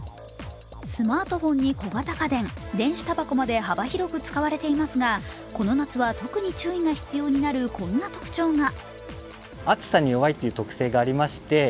スマートフォンに小型家電、電子たばこまで幅広く使われていますが、この夏は特に注意が必要になるこんな特徴が。